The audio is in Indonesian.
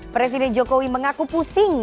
presiden jokowi mengaku pusing